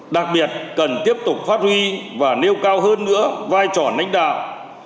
đặc biệt cần tiếp tục phát huy và nêu cao hơn nữa vai trò nánh đạo